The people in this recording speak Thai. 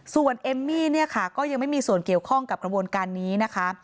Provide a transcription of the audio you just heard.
ส่วนเอมมี่เนี่ยค่ะก็ยังไม่มีส่วนเกี่ยวข้องกับกระบวนการนี้นะคะ